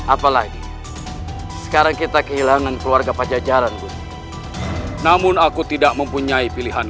apalagi sekarang kita kehilangan keluarga pajajaran namun aku tidak mempunyai pilihan